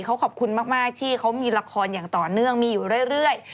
เขาขอบคุณมากที่เขามีละครอย่างต่อเนื่องมีอยู่เรื่อย